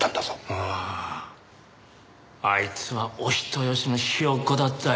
あああいつはお人よしのひよっこだったよ。